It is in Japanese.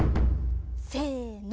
せの。